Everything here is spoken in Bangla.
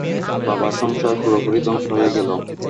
বাবার সংসার পুরোপুরি ধ্বংস হয়ে গেল।